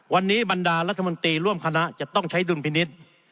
วันนี้บรรดารัฐมนตรีร่วมคณะจะต้องใช้ดุลพินิษฐ์